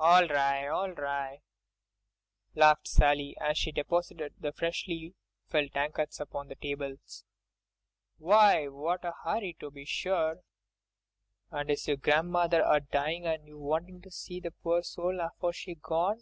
"All ri'! all ri'!" laughed Sally, as she deposited the freshly filled tankards upon the tables, "why, what a 'urry, to be sure! And is your gran'mother a dyin' an' you wantin' to see the pore soul afore she'm gone!